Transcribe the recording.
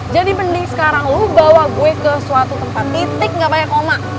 jadi mending sekarang lo bawa gue ke suatu tempat titik gak payah koma